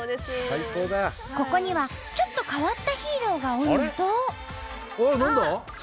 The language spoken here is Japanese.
ここにはちょっと変わったヒーローがおるんと。